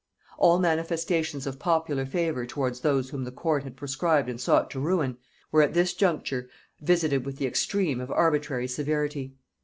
All manifestations of popular favor towards those whom the court had proscribed and sought to ruin, were at this juncture visited with the extreme of arbitrary severity.